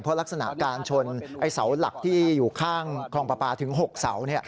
เพราะลักษณะการชนไอ้เสาหลักที่อยู่ข้างคลองปลาปลาถึง๖เสา